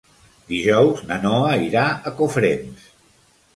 Dijous na Noa irà a Cofrents.